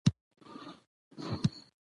د مېلو پر مهال خلک له ذهني فشار خلاصون مومي.